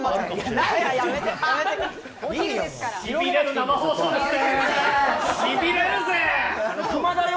しびれる生放送ですね。